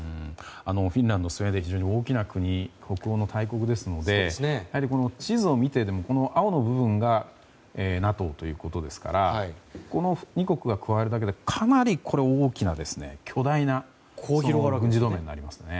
フィンランドスウェーデン、非常に大きな国北欧の大国ですので地図を見てもこの青の部分がＮＡＴＯということですからこの２国が加わるだけでかなり大きな巨大な軍事同盟になりますね。